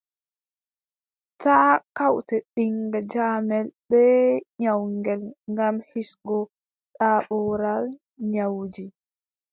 Taa kawte ɓiŋngel jamel bee nyawngel, ngam hisgo daaɓoral nyawuuji.